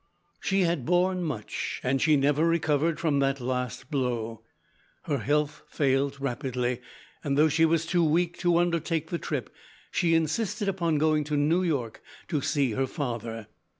She had borne much, and she never recovered from that last blow. Her health failed rapidly, and though she was too weak to undertake the trip, she insisted upon going to New York to see her father.